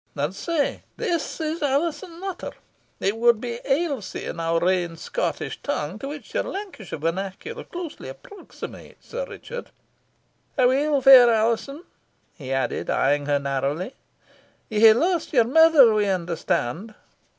An sae this is Alizon Nutter it wad be Ailsie in our ain Scottish tongue, to which your Lancashire vernacular closely approximates, Sir Richard. Aweel, fair Alizon," he added, eyeing her narrowly, "ye hae lost your mither, we understand?"